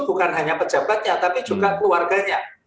bukan hanya pejabatnya tapi juga keluarganya